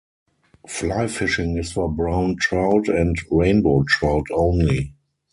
Fly fishing is for brown trout and rainbow trout only.